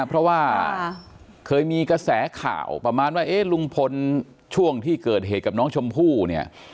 เพราะว่าเคยมีกระแสข่าวประมาณว่าเอ๊ะลุงพลช่วงที่เกิดเหตุกับน้องชมพู่เนี่ย